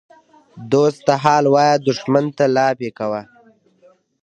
ـ دوست ته حال وایه دښمن ته لافي کوه.